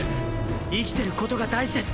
生きてることが大事です